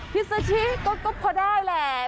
ิซูชิก็พอได้แหละ